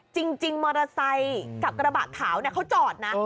จริงมอเตอร์ไซค์กับกระบะขาวเขาจอดนะ